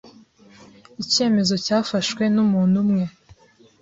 icyemezo cyafashwe numuntu umwe